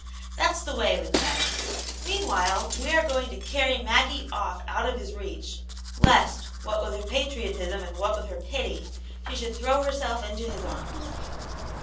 That's the way with men. Meanwhile we are going to carry Maggie off out of his reach, lest, what with her patriotism, and what with her pity, she should throw herself into his arms."